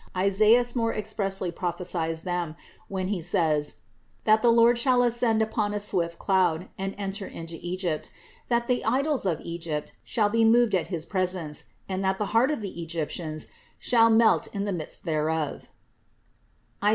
Isaias more expressly prophesies of them, when he says: that the Lord shall ascend upon a swift cloud and enter into Egypt; that the idols of Egypt shall be moved at his presence and that the heart of the Egyptians shall melt in the midst thereof (Is.